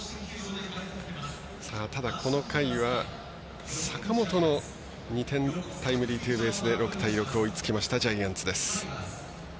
ただ、この回は坂本の２点タイムリーツーベースで６対６、追いつきましたジャイアンツです。